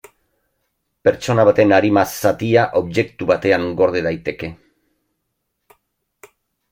Pertsona baten arima zatia objektu batean gorde daiteke.